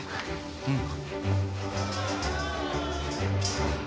うん。